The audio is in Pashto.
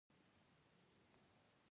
دا تازه دی